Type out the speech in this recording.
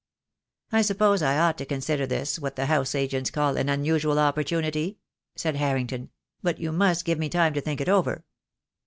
"I suppose I ought to consider this what the house agents call an unusual opportunity?" said Harrington; "but you must give me time to think it over."